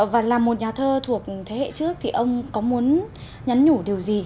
và là một nhà thơ thuộc thế hệ trước thì ông có muốn nhắn nhủ điều gì